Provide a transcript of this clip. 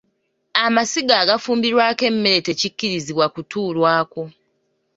Amasiga agafumbirwako emmere tekikkirizibwa kutuulwako.